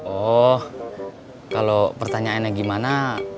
oh kalau pertanyaannya gimana